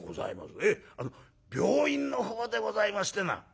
ええ病院の方でございましてな」。